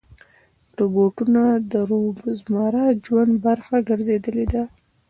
روبوټونه د روزمره ژوند برخه ګرځېدلي دي.